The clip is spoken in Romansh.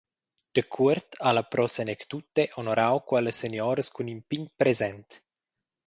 Dacuort ha la Pro Senectute honorau quellas senioras cun in pign present.